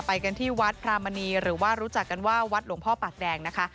ไปกันที่วัดพระมณีหรือว่ารู้จักกันว่าวัดหลวงพ่อปากแดงนะคะ